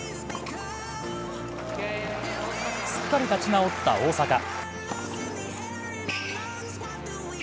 すっかり立ち直った大坂。